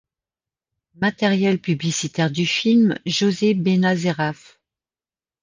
Matériel publicitaire du film, José Benazeraf.